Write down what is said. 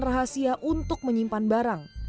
rahasia untuk menyimpan barang